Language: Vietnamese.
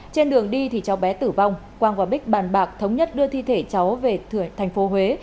trên đường đi thì cháu bé tử vong quang và bích bàn bạc thống nhất đưa thi thể cháu về tp huế